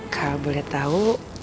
kalau boleh tahu